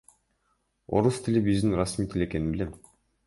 Орус тили биздин расмий тил экенин билем.